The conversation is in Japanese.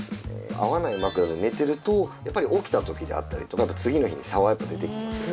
合わない枕で寝てるとやっぱり起きた時であったりとか次の日に差はやっぱり出てきますよね。